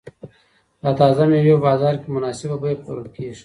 دا تازه مېوې په بازار کې په مناسبه بیه پلورل کیږي.